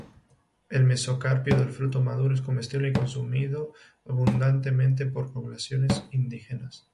El mesocarpio del fruto maduro es comestible y es consumido abundantemente por poblaciones indígenas.